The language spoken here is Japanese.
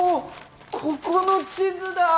ここの地図だ！